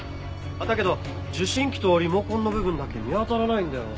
だけど受信機とリモコンの部分だけ見当たらないんだよ。